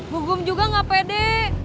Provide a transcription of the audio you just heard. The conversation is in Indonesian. bukum juga gak pede